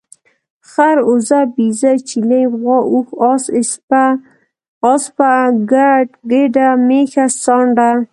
خر، اوزه، بيزه ، چيلۍ ، غوا، اوښ، اس، اسپه، ګډ، ګډه، ميښه، سانډه